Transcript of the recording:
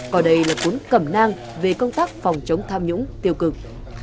còn đây là cuốn cẩm nang về công tác phòng chống tham nhũng tiêu cực